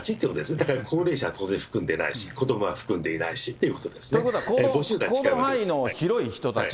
だから高齢者は当然含んでないし、子どもは含んでいないしというこ行動範囲の広い人たち。